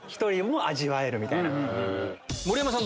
盛山さん